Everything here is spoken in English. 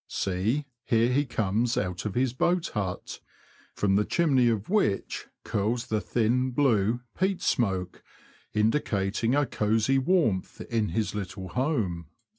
See, here he comes out of his boat hut, from 234 THE LAND OF THE BROADS. the chimney of which curls the thin, blue, peat smoke, indicating a cosy warmth in his little home.